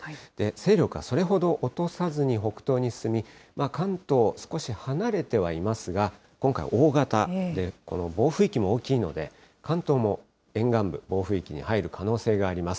勢力はそれほど落とさずに北東に進み、関東、少し離れてはいますが、今回、大型で暴風域も大きいので、関東も沿岸部、暴風域に入る可能性があります。